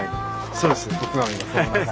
そうです。